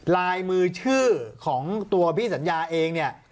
ลายมือชื่อของตัวพี่สัญญาเองเนี่ย